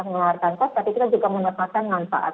mengeluarkan kos tapi kita juga mendapatkan manfaat